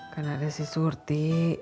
kan ada si surti